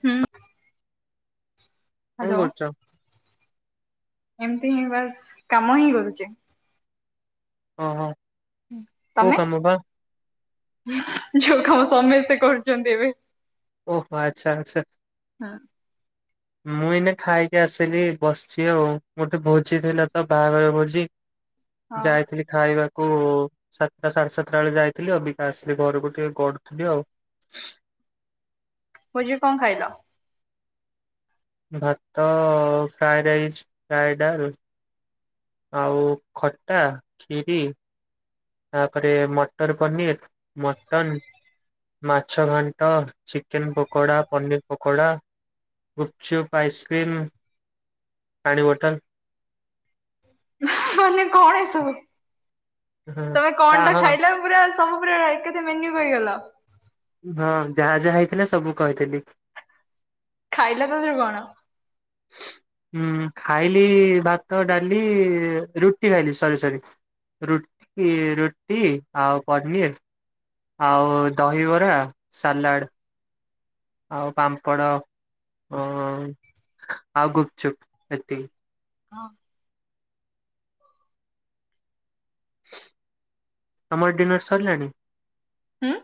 ହୁଁ। କଣ ହ୍ୟାଲୋ କରୁଛ? ଏମତି ହିଁ ବାସ୍ କାମ ହିଁ କରୁଛେ। ହ ହୋ। ତମେ, ଯଉଖାଉ ସମସ୍ତେ କରୁଛନ୍ତି ଏବେ ଓହୋ ଆଚ୍ଛା ଆଛା। ହୁଁ ମୁଁ ଏଇନା ଖାଇକି ଆସିଲି ବସିଛି ଆଉ ଗୋଠେ ଭୋଜି ଥିଲା ତ ବାହାଘର ଭୋଜି ହଁ ଯାଇଥିଲି ଖାଇବାକୁ । ଓ ସାତଟା ସାଢେ ସାତଟା ବେଳେ ଯାଇଥିଲି ଆଉ ଅଭିକା ଆସିଲି ଘରକୁ ଟିକେ ଗଡୁଥିଲି ଆଉ। [unintelligible] ଭୋଜି କଣ ଖାଇଲ? ଭାତ, ଫ୍ରାଏ ରାଇସ୍, ଫ୍ରାଏ ଡାଲ, ଆଉ ଖଟା, ଖିରି, ତାପରେ ମଟର ପନିର, ମଟନ ମାଛ ଘାଣ୍ଟ, ଚିକେନ ପକୋଡା, ପନିର ପକୋଡ଼ା ଗୁପଚୁପ ଆଇସ୍କ୍ରିମ୍ ପାଣି ବୋଟଲ ମ କଣ ଏସୁ ହଁ ତମେ କଣ ତା ଟା ହଁ ଖାଇଲା ପୁର ଆସ ସବୁ କେତେ ମେୁ ହେଗ ହଁ ଯାହା ଯାହା ହେଇଥିଲା ସବୁ କହିଦେଲି ଖାଇଲା କେରୁ କଣ? ହଁ ଖାଇଲି ଭାତ ଡାଲି ରୁଟି ଖାଇଲି ସରି ସରି ର ରୁଟି ଆଉ ପନିର ଆଉ ଦହିବରା ସାଲାଡ ଆଉ ପାମ୍ପଡ଼ ଆଉ। ହ ଆଗୁପଚୁପ ଅତି ହଁ। ଆମର ଡିିନାର ସରିଲାଣି? ହୁଁ।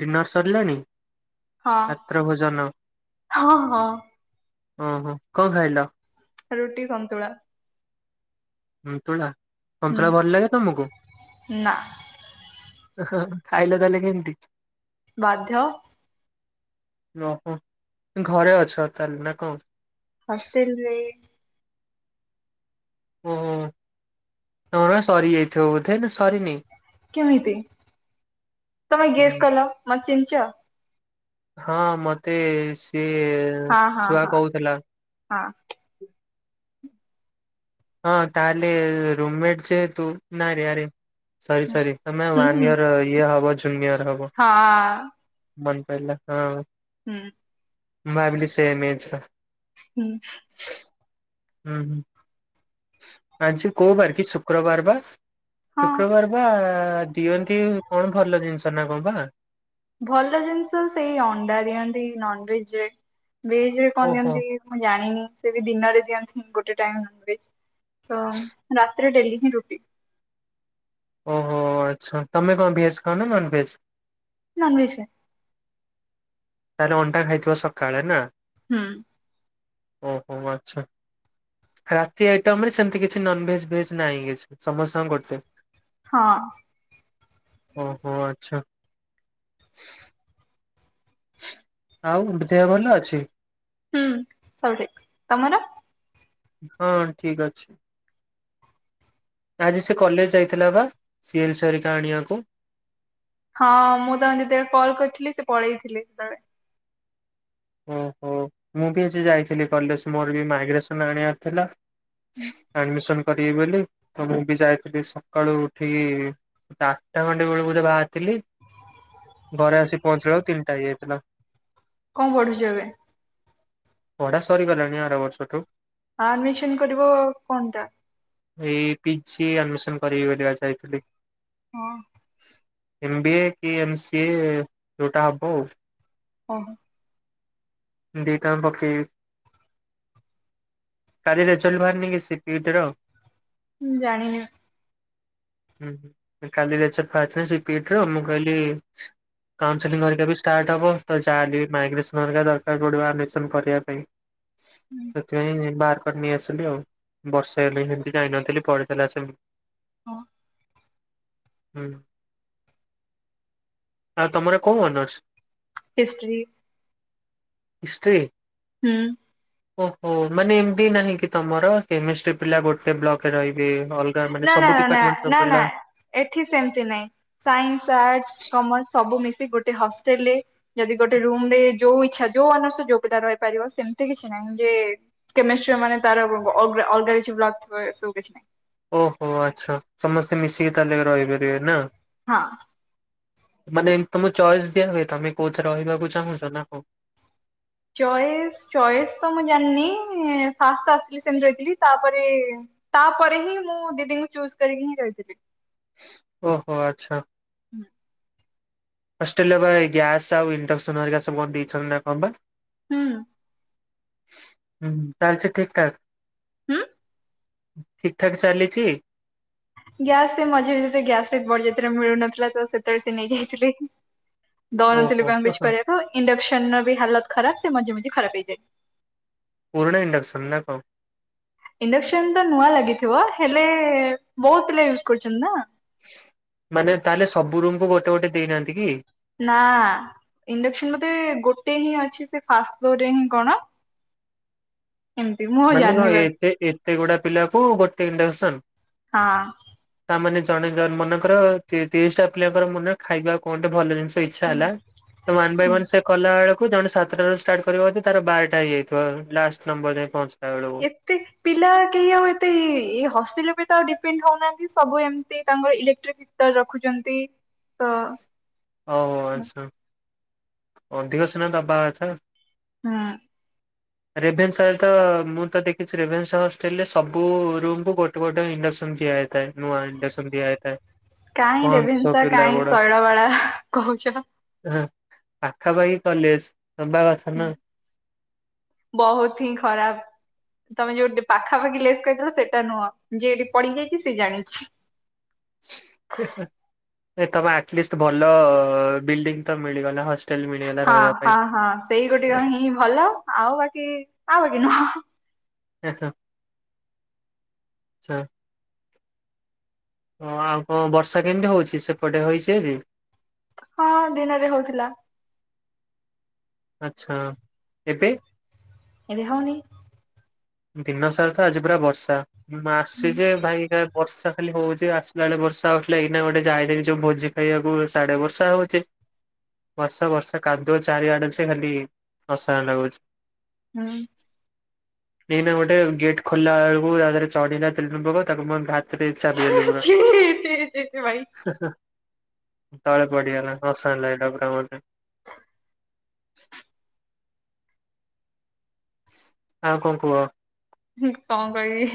ଡିନର୍ ସରିଲେଣିି? ହଁ ହଁ ହଁ। ଓହୋ କଣ ଖାଇଲ? ରୁଟି ସନ୍ତୁଳା। ସନ୍ତୁଳା ହୁଁ ସନ୍ତୁଳା ଭଲ ଲାଗେ ତମକୁ ନା ଖାଇଲେ ତାହେଲେ କେମିତି? ବାଧ୍ୟ [unintelligible] ଘରେ ଅଛ ତାହଲେ ନା କଣ। ହଷ୍ଟେଲରେ। ଓ ତମର ପା ସରି ଯାଇଥିବ ବୋଧେ ନା ସରିନି? କେମିତି ତମେ ଗେସ୍ ହୁଁ କଲ ମତେ ଚିହ୍ନିଚ୍? ହଁ ମତେ ସିଏ ହଁ ହଁ ଶୁଆ ହଁ କହୁଥିଲା। ହଁ ହଁ ତାହେଲେ ରୁମମେଟ୍ ଯେହେତୁ ନାରେ ଆରେ ସରି ସରି ତମେ ହୁଁ ୱାନ୍ ହୁଁ ଇୟର ଇଏ ହବ ଜୁନିୟର ହବ। ହଁ ମନେ ପଇଲା, ହଁ। ହୁଁ। ମୁଁ ଭାବିଲି ସେମ୍ ଏଜ୍ ର। ହୁଁ। ହୁଁ ଆଜି କୋଉ ବାର କି ଶୁକ୍ରବାର ବା। ହଁ ଶୁକ୍ରବାର ବା ଦିଅନ୍ତି କଣ ଭଲ ଜିନିଷ ନା କଣ ବା। ଭଲ ଜିନିଷ ସେଇ ଅଣ୍ଡା ଦିଅନ୍ତି ନନ ଭେଜରେ। ଭେଜ ରେ କଣ ଓହୋ। ଦିଅନ୍ତି ମୁଁ ଜାଣିନି। ସେ ବି ଦିନରେ ଦିଅନ୍ତି ଗୋଟେ ଟାଇମ୍ ନନ୍ ଭେଜ୍। ତ ରାତି ରେ ଡେଲି ହିଁ ରୁଟି। ଓହୋ ଆଚ୍ଛା ତମେ କଣ ଭେଜ ଖାଅ ନା ନନ୍ ଭେଜ? ନନ୍ ଭେଜ ଖାଏ। ତାହେଲେ ଅଣ୍ଡା ଖାଇଥିବ ସକାଳେ ନା। ହୁଁ। ଓହୋ, ଆଚ୍ଛା। ରାତି ଆଇଟମରେ ସେମିତି କିଛି ନନ ଭେଜ ଭେଜ ନାହିଁ କିଛି। ସମସ୍ତଙ୍କ ର ଗୋଟେ। ହଁ। ଓ ହୋ, ଆଚ୍ଛା। ଆଉ ଦେହ ଭଲ ଅଛି? ହୁଁ ସବୁ ଠିକ୍। ତମର? ହଁ ଠିକ ଅଛି। ଆଜି ସେ କଲେଜ ଯାଇଥିଲା ବା। ସିଏଲ ହେରିକା ଆଣିବାକୁ। ହଁ ମୁଁ ତାଙ୍କୁ ଯେତେବେଳ କଲ୍ କରିଥିଲି ସେ ପଳେଇଥିଲେ ସେତେବେଳେ। ଓହୋ ମୁଁ ବି ଆଜି ଯାଇଥିଲି କଲେଜ ମୋର ବି ମାଇଗ୍ରେସନ ଆଣିବାର ଥିଲା। ଆଡମିଶନ୍ କରିବି ବୋଲି ତ ମୁଁ ବି ଯାଇଥିଲି ସକାଳୁ ଉଠିକି ଆଠଟା ଖଣ୍ଟେ ବେଳକୁ ବୋଧେ ବା ଥିଲି ଘରେ ଆସି ପହଞ୍ଚିଲା ବେଳକୁ ତିନିଟା ହେଇଯାଇଥିଲା । କଣ ପଢୁଚ ଏବେ? ପଢ଼ା ସରି ଗଲାଣି ଆାର ବର୍ଷଠୁ । ଆଡମିସନ କରିବ କଣ ଟା? ଏଇ ପିଜି ଆଡମିସନ କରିବିି ବୋଲି ବା ଯାଇଥିଲି । ହଁ । ଏମ ବି ଏ କି ଏମ ସି ଏ ଯୋଉଟା ହବ ଆଉ । ଓ ହୋ । ଦିଇଟା ଆଙ୍କ ପକେଇବି। କାଲି ରେଜଲ୍ଟ ବାହାରିନି କି ସିଟିଇଟି ର। ମୁଁ ଜାଣିନି। ହୁଁ କାଲି ରେଜଲ୍ଟ ବାହାରିଚି ନା ସିଟିଇଟି ର। ମୁଁ କହିଲି କାଉନସିଲିଂ ହେରିକା ବି ଷ୍ଟାର୍ଟ ହବ ତ ଯାହା ମାଇଗ୍ରେସନ ହେରିକା ଦରକାର ପଡିବ ଆଡମିସନ କରିବା ପାଇଁ । ସେଥିପାଇଁ ବାହାର କରି ନେଇ ଆସିଲି ଆଉ। ବର୍ଷେ ହେଲା ସେମିତି ଯାଇନଥିଲି ପଡ଼ିଥିଲା ସେମିତି। ହଁ । ଆଉ ତମର କୋଉ ଅନର୍ସ? ହିଷ୍ଟ୍ରୀ। ନିଶ୍ରୀ? ହୁଁ । ଓହୋ ମାନେ ଏମିତି ନାହିଁ କି ତମର କେମିଷ୍ଟ୍ରି ପିଲା ଗୋଟେ ବ୍ଲକରେ ରହିବେ? ଅଲଗା ମାନେ ନା ନା ସବୁ ନା ନା ଡିପାର୍ଟମେଣ୍ଟର ନା ନା। ପିଲା ଏଠି ସେମିତି ନାଇଁ ସାଇନ୍ସ ଆର୍ଟସ କମର୍ସ ସବୁ ମିଶ ଗୋଟେ ହଷ୍ଟେଲ ରେ ଯଦି ଗୋଟେ ରୁମ ରେ ଯୋଉ ଇଚ୍ଛା ଯୋଉ ଅନୁସ୍ୟ ଯୋଗ୍ୟତା ରହିପାରିବ ସେମିତି କିଛି ନାହିଁ । ମାନେ ତାରଗ ବୁ କିଛି ନାହିଁ । ଓହୋ ଆଚ୍ଛା ସମସ୍ତେ ମିଶିକି ତାହେଲେ ରହିପାରିବେ ନା? ହଁ । ମାନେ ଏମତି ତମ ଚଏସ୍ ଦିଆ ହୁଏ ତମେ କୋଉଥିରେ ରହିବାକୁ ଚାହୁଁଛ ନା କ? ଚଏସ ଚଏସ୍ ତ ମୁଁ ଜାଣିନି ଫାଷ୍ଟ ଆସିଥିଲି ସେମିତି ରହିଥିଲି ତାପରେ ତାପରେ ହିଁ ମୁଁ ଦିଦିଙ୍କୁ ଚୁଜ କରିକି ହିଁ ରହିଥିଲି । ଓହୋ ଆଚ୍ଛା । ଫଷ୍ଟ ହେ ଲ ବା ଗ୍ୟାସ୍ ଆଉ ଇଣ୍ଡକ୍ସନ୍ ଆରିକ ସ କ ଚ ନା କବା? ହୁଁ । ହୁଁ ଚାହଛ ଠିକଠା ହୁଁ। ଠିକ ଠାକ ଚାଲିଛି ଗ୍ୟାସ ସେ ମଜଝା ବି ଗ୍ୟାସ ବଢଯରେ ମିଳୁନଥିଲା ତ ଳେ ସ ନେଇ ଯାଇଥିଲି ଓହୋ ଦଉନଥିଲିଜ କରିବାକୁ ଇଣ୍ଡକ୍ସନ ର ବି ହତ ଖରାପ ସେ ମଝେ ମଝେ ଖରାପ ହେଇ ଯାଇ । ପୂର୍ଣ ଣ୍ଡକ୍ସନ ନ କ? ଇଣ୍ଡକ୍ସନ ତ ନୂଆ ଲାଗିଥିବ ହେଲେ ବହୁତ ପିଲା ୟୁଜ କରୁଛନ୍ତି ନା । ମାନେ ତାହେଲେ ସବୁ ରୁମକୁ ଗୋଟେ ଗୋଟେ ଦେଇନାହାନ୍ତି କି? ନା । ଇଣ୍ଡକ୍ସନ ମଧେ ଗୋଟେ ହିଁ ଅଛି ସେ ଫାଷ୍ଟ ଫ୍ଲୋର ରେ ହିଁ କଣ? ଏମିତି ମୁଁ ଆଉ ମାନେ ଜାଣିନି ବାକି ଏତେ ଏତେ ଗୁଡା ପିଲାକୁ ଗୋଟେ ଘଣ୍ଟେ ଅସନ୍? ହଁ। ତାମାନୋନେ ଜଣେ ମନେକର ତିରିଶ ଟା ପିଲାଙ୍କର ମନରେ ଖାଇବା କଣଟେ ଭଲ ଜିନିଷ ଇଛା ହେଲା ବାଇ ୱ କଲା ଜଣେ ସାତଟ ରାରୁ ଷ୍ଟାର୍ଟ କରିବା ତାର ବାରଟା ହେଇଯାଇଥିବ ଲାଷ୍ଟ ନମ୍ବର ଯ ପହଞ୍ଚ ଏତେ ପିଲା କେହି ଆଉ ଏତେ ଏ ହଷ୍ଟେ [unintelligible] ଡିପେଣ୍ଡ ହଉନାହାନ୍ତି ସବୁ ଏମିତି ତାଙ୍କର ଇଲେକ୍ଟ୍ରିକ ହିଟର ରଖୁଛନ୍ତି ତ ଓ ହୁଁ ଆଚ୍ଛା ଅଧିକ ସିନା ଦବା କଥା। ହୁଁ। ରେଭେନ୍ସା ରେ ତ ମୁଁ ତ ଦେଖିଛି ରେଭେନ୍ସା ହଷ୍ଟେଲରେ ସବୁ ରୁମକୁୁ ଗୋଟେ ଗୋଟେ ଇ ସମଝି ଆଏଥାଏ ନୂଆ ଇଣ୍ଡସନ ଦିଆ ହେଇଥାଏ । କାଇଁ ରେଭେନ୍ସା କାଇଁ ଶୈଳବାଳା କହୁଛ। ହଁ ପାଖାପାଖି କଲେଜ ନବା କଥା ହୁଁ ନା। [inaudible] ବହୁତୁ ହିଁ ଖରାପ ତମେ ଯୋଉଠି ପାଖାପାଖି ଲେସ୍ କହିଥିଲ ସେଟା ନୁହଁ ଯିଏ ଏଠି ପଡିଯାଇଛି ସେ ଜାଣିଛି [inaudible] ଏହେ ଏ ତମେ ଆଟଲିଷ୍ଟ ଭଲ ବିଲ୍ଡିଂ ତ ମିଳିଗଲା ହ ହଁ ହଁ ହଁ ସେଇ ଗୋଟିକ ହିଁ ଭଲ ଆଉ ବାକି ଆଉ ଗେ [inaudible] ଏହେ [inaudible] ଆଛା । ହ ଆଉ କଣ ବର୍ଷା କେମିତି ହଉଛି? ସେପଟେ ହେଇଛି ଭାରି? ହଁ ଦିନରେ ହଉଥିଲା। ଆଚ୍ଛା ଏବେ? ଏବେ ହଉନି। ଦିନ ସାରା ତ ଆଜି ପୁରା ବର୍ଷା ମୁଁ ଆସି ଯେ ଭାଇ ଏକା ବର୍ଷା ଖାଲି ହଉଛି ଆସିଲା ବେଳେ ବର୍ଷା ହଉଥିଲା ଏଇନା ଗୋଟେ ଯାଏଦବି ଯୋଉ ଭୋଜି ଖାଇବାକୁ ସାଡେ ବର୍ଷା ହଉଛି। ବର୍ଷ ବର୍ଷ କାଦୁଅ ଚାରି ଆଡେ ଛି ଖାଲି ଅସନା ଲାଗୁଛି । ହୁଁ। ଏଇନା ଗୋଟେ ଗେଟ୍ ଖୋଲିଲା ବେଳକୁ ତା ଦେହରେ ଚଢିଲା ତେଲୁଣି ପୋକ ତାକୁ ମୁଁ ଏମତି ହା ସେଟି ଏଇ ଚାପି ଦେଲି ପୁରା। ଛି ଛି ଛି ଛି ଭାଇ ତଳେ ପଡି ଗଲା ଅସନା ଲାଗେ ସେଟା ପୁରା [unintelligible] [inaudible] ଆଉ କଣ କୁଅ? ମୁଁ କଣ କହିବି?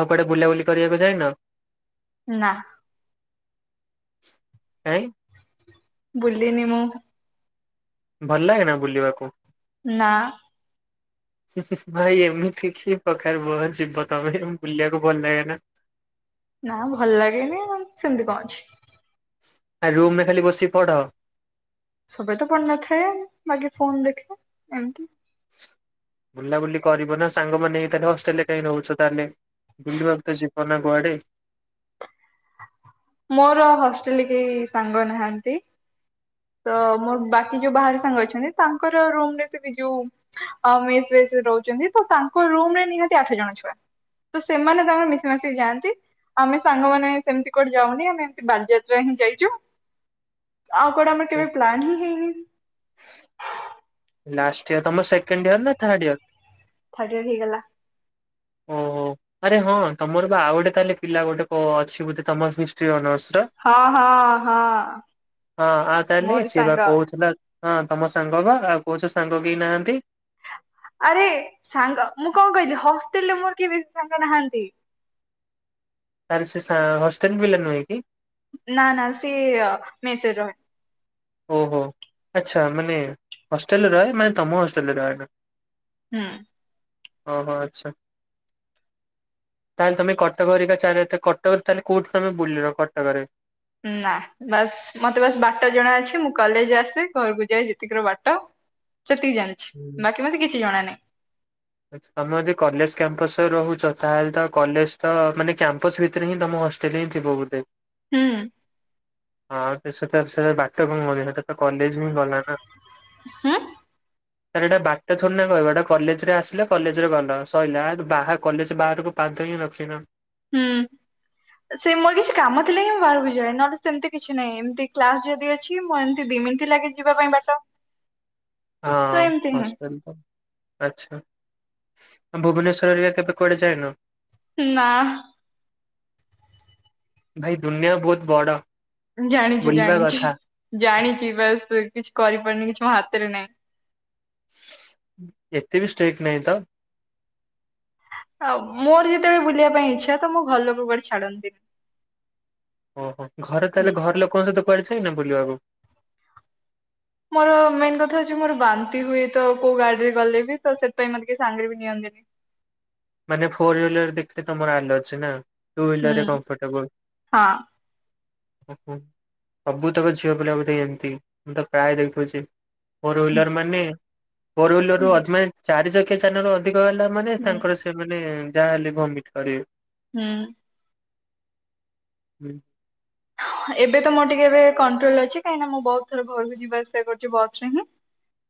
ଆଉ କୁଆଡେ ବୁଲାବୁଲି କରିବାକୁ ଯାଇନ? ନା । କାଇଁ? ବୁଲିନି ମୁଁ। ଭଲ ଲାଗେନା ବୁଲିବାକୁ? ନା। ସେ ସେ ଭାଇ ଏମିତି କି ପ୍ରକାର ମହାନ ଜୀବ ତୋମେ ହେ ବୁଲିବାକୁ ଭଲ ଲାଗେ ନା । ନା ଭଲ ଲାଗେନି ଆଉ ସେମିତି କଣ ଅଛି? ଆ, ରୁମ୍ ରେ ଖାଲି ବସିକି ପଢ? ସବୁବେଳେ ତ ପଢିନଥାଏ ।ବାକି ଫୋନ୍ ଦେଖେ। ଏମତି। ବୁଲାବୁଲି କରିବ ନା। ସାଙ୍ଗମାନେ ଏ ତାହେଲେ ହଷ୍ଟେଲ୍ ରେ କାହିଁ ରହୁଛ ତାହେଲେ? ବୁଲିବାକୁ ତ ଯିବ ନା କୁଆଡେ। ମୋର ହଷ୍ଟେଲ୍ ରେ କେହି ସାଙ୍ଗ ନାହାନ୍ତି । ତ ମୋର ବାକି ଯୋଉ ବାହାରେ ସାଙ୍ଗ ଅଛନ୍ତି ତାଙ୍କର ରୁମ୍ ରେ ସେଠି ଯୋଉ ଅ, ମେସ୍ ଫେସ୍ ସେ ରହୁଚନ୍ତି ତ ତାଙ୍କ ରୁମ୍ ରେ ନିହାତି ଆଠ ଜଣ ଛୁଆ। ତ ସେମାନେ ତାଙ୍କର ମିଶି ମାଶିକି ଯାଆନ୍ତି। ଆମେ ସାଙ୍ଗମାନେ ସେମିତି କୁଆଡେ ଯାଉନି। ଆମେ ଏମତି ବାଲିଯାତ୍ରା ହିଁ ଯାଇଚୁ । ଆଉ କୁଆଡେ ଆମର କେବେ ପ୍ଲାନ୍ ହିଁ ହେଇନି। ଲାଷ୍ଟ ଇୟର୍ ।ତୋମ ସେକେଣ୍ଡ ଇୟର୍ ନା ଥାର୍ଡ ଇୟର୍? ଥାର୍ଡ ଇୟର୍ ହେଇଗଲା। ଓହୋ! ଆରେ ହଁ ତୋମର ବା ଆଉ ଗୋଟେ ତାହାଲେ ପିଲା ଗୋଟେ କ- ଅଛି ବୋଧେ ତୋମ ହିଷ୍ଟ୍ରୀ ଅନର୍ସ । ତ, ହଁ ହଁ ହଁ। ଅଁ, ଆଁ, ତାହେଲେ ମୋରି ସେ ବା ସାଙ୍ଗ କହୁଥିଲା। ହଁ ତୋମ ସାଙ୍ଗ ପା ଆଉ କୋହୁଛ ସାଙ୍ଗ କେହି ନାହାନ୍ତି । ଆରେ ସାଙ୍ଗ ମୁଁ କଣ କହିଲି ହଷ୍ଟେଲ୍ ରେ ମୋର କିଏ ସାଙ୍ଗ ନାହାନ୍ତି। ଆରେ ସେ ସା- ହଷ୍ଟେଲ୍ ପିଲା ନୁହେଁ କି? ନା ନା ସିଏ ମେସ୍ ରେ ରହେ। ଓହୋ! ଆଚ୍ଛା ମାନେ ହଷ୍ଟେଲ୍ ରେ ରହେ। ମାନେ ତୋମ ହଷ୍ଟେଲ୍ ରେ ରହେନା। ହଁ। ଓହୋ! ଆଚ୍ଛା। ତାହେଲେ ତୋମେ କଟକ ହେରିକା ଚାରେ ତ କଟକ ତାହେଲେ କୋଉଠି ତୋମେ ବୁଲିନ କଟକରେ? ନା ବାସ୍ ମୋତେ ବାସ୍ ବାଟ ଜଣା ଅଛି। ମୁଁ କଲେଜ୍ ଆସେ ଘରକୁ ଯାଏ। ଯେତିକିର ବାଟ ସେତିକି ଜାଣିଛି। ବାକି ମୋତେ କିଛି ଜଣା ନାହିଁ। ଏଥ୍ ତୋମେ ଯଦି କଲେଜ୍ କ୍ୟାମ୍ପସ୍ ରେ ରହୁଚ। ତାହେଲେ ତ କଲେଜ୍ ତ ମାନେ କ୍ୟାମ୍ପସ୍ ଭିତରେ ହିଁ ତୋମ ହଷ୍ଟେଲ୍ ହିଁ ଥିବ ବୋଧେ? ହୁଁ। ହଁ ତ ସେଟା ସେଟା ବାଟ କଣ କରିବେ ସେଟା ତ କଲେଜ୍ ହିଁ ଗଲା ନା? ହୁଁ? ଆରେ ଏଇଟା ବାଟ ଥଡିନା କହିବ। ଏଟା କଲେଜ୍ ରେ ଆସିଲ କଲେଜ୍ ରେ ଗଲ ସଇଲା। ଆ, [unintelligible] ବାହା କଲେଜ୍ ବାହାରକୁ ଆଉ ତ କେହି ରଖିନ? ହୁଁ। ଏ ସେ ମୋର କିଛି କାମ ଥିଲେ ହିଁ ମୁଁ ବାହାରକୁ ଯାଏ। ନହେଲେ ସେମିତି କିଛି ନାହିଁ। ଏମିତି କ୍ଲାସ୍ ଯଦି ଅଛି ମୁଁ ଏମତି ଦି ମିନିଟ୍ ଲାଗେ ଯିବା ପାଇଁ ବାଟ। ହଁ ତ ଏମିତି ହିଁ ହଷ୍ଟେଲ ତ ଆଛା। ଭୁବନେଶ୍ୱର ଏରା କେବେେ କୁଆଡ଼େ ଯାଇନ? ନା। ଭାଇ ଦୁନିଆ ବହୁତ ବଡ। ଜାଣିଚି ବୁଲିବା ଜାଣିଚି କଥା ଜାଣିଚି ବସ୍ କିଛି କରିପାରୁନି କିଛି ମ ହାତ ରେ ନାଇ। ଏତେ ବି ଷ୍ଟେକ୍ ନାହିଁ ତ। ଆ ମୋର ଯେତେବେଳେ ବୁଲିବା ପାଇଁ ଇଚଛା ତ ମୁଁ ଘର ଲୋକ କୁଆଡେ ଛାଡନ୍ତିନି। ଓହୋ ଘରେ ତାହେଲେ ଘର ଲୋକଙ୍କ ସହିତ କୁଆଡ଼େ ଯାଇନ ବୁଲିବାକୁ? ମୋର ମେନ୍ କଥା ହଉଚି ମୋର ବାନ୍ତି ହୁଏ ତ କୋଉ ଗାଡିରେ ଗଲେ ବି ତ ସେଥିପାଇଁ ମତେ କିଏ ସାଙ୍ଗରେ ବି ନିଅନ୍ତିନି। [inaudible] ମାନେ ଫୋର ହିଲର ଦେଖିଲେ ତମର ଆଲର୍ଜି ନା? ଟୁ ହୁଁ ହ୍ୱିଲର ରେ କମ୍ଫର୍ଟେବଲ। ହଁ ଓହୋ ସବୁ ତକ ଝିଅ ପିଲା ବୋଧେ ଏମତି, ମୁଁ ତ ପ୍ରାୟ ଦେଖୁଚି। ଫୋର ହ୍ୱିଲର ମାନେ ଫୋର ହ୍ୱିଲର ରୁ ହୁଁ ଅଧି ମାନେ ଚାରି ଚକିଆ ଯାନ ରୁ ଅଧିକ ହେଲା ମାନେ ହୁଁ। ତାଙ୍କର ଏ ଯାହାହଲେ ଭମିଟ କରିବେ। ହୁଁ। ହୁଁ। ଏବେ ତ ମଁ ଟିକେ ଏବେ କନ୍ ଭଲ ଅଛି କାହିଁକିନା ମୁଁ ବହୁତ ଥର ଘରକୁ ଯିବା ଆସିବା କରିଛି ବସ୍ ରେ ହିଁ।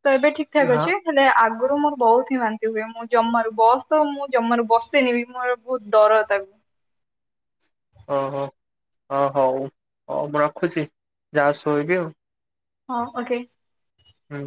ତ ଏବେ ଠିକ ଠାକ ହଁ। ଅଛି ହେଲେ ଆଗ ଆଗରୁ ମୋର ବହୁତ ହିଁ ବାନ୍ତି ହୁଏ ମୁଁ ଜମାରୁ ବସ୍ ତ ମୁଁ ଜମାରୁ ବସେନି ବି ମୋର ବହୁତ ଡର ତାକୁ। [inaudible] ଓହୋ ଓ ହଉ ହଉ ମୁଁ ରଖୁଚି ଯାଉଚି ଶୋଇବି ଆଉ। ହଁ ଓକେ। ହୁଁ।